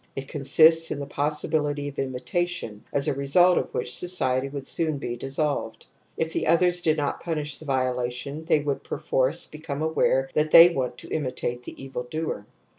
It con sists in the possibility of imitation, as a result of which society would soon be dissolved. If the others did not pimish the violation they would perforce become aware that they want to imitate the evil doer.